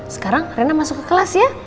sekarang arena masuk ke kelas ya